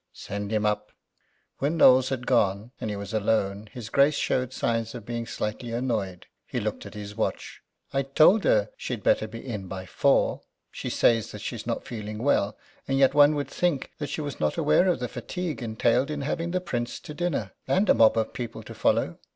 "Send him up." When Knowles had gone, and he was alone, his Grace showed signs of being slightly annoyed. He looked at his watch. "I told her she'd better be in by four. She says that she's not feeling well, and yet one would think that she was not aware of the fatigue entailed in having the Prince to dinner, and a mob of people to follow.